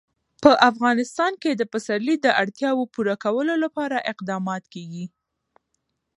په افغانستان کې د پسرلی د اړتیاوو پوره کولو لپاره اقدامات کېږي.